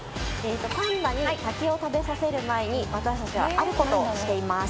パンダに竹を食べさせる前に私たちはあることをしています。